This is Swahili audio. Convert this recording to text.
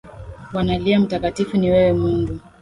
Wanalia, mtakatifu ni wewe mungu.